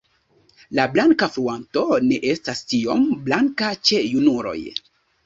La blanka frunto ne estas tiom blanka ĉe junuloj.